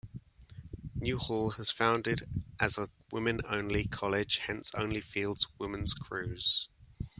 New Hall was founded as a women-only college hence only fields women's crews.